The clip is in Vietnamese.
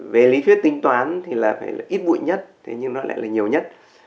về lý thuyết tính toán thì là phải ít bụi nhất thế nhưng nó lại là nhiều nhất